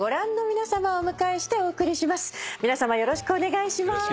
皆さまよろしくお願いします。